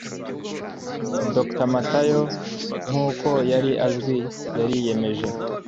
dr matayo, nkuko yari azwi, yariyemeje